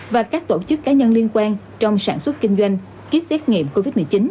và các tổ chức cá nhân liên quan trong sản xuất kinh doanh kit xét nghiệm covid một mươi chín